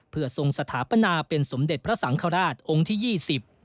เพื่อทรงสถาปนาเป็นสมเด็จพระสังฆราชองค์ที่ยี่สิบ